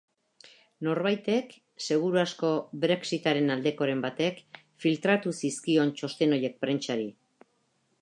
Norbaitek, seguru asko brexit-aren aldekoren batek, filtratu zizkion txosten horiek prentsari.